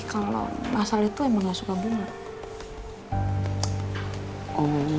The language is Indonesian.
kalau masal itu emang gak suka bunga